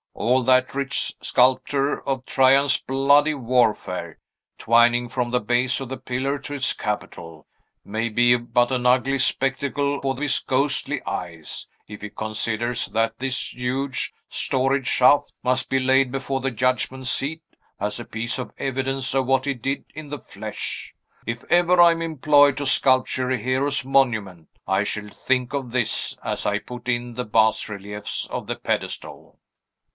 "All that rich sculpture of Trajan's bloody warfare, twining from the base of the pillar to its capital, may be but an ugly spectacle for his ghostly eyes, if he considers that this huge, storied shaft must be laid before the judgment seat, as a piece of the evidence of what he did in the flesh. If ever I am employed to sculpture a hero's monument, I shall think of this, as I put in the bas reliefs of the pedestal!"